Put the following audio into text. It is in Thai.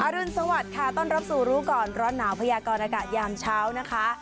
รุนสวัสดิ์ค่ะต้อนรับสู่รู้ก่อนร้อนหนาวพยากรอากาศยามเช้านะคะ